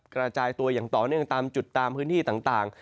กระจายตัวอย่างต่อเนื่องตามจุดตามพื้นที่ต่าง